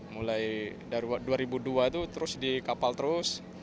mulai dari dua ribu dua itu terus di kapal terus